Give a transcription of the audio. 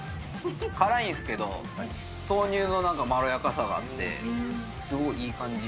辛いんですけれども、豆乳のなんかまろやかさがあって、すごいいい感じ。